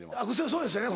そうですよね